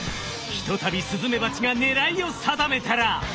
ひとたびスズメバチが狙いを定めたら。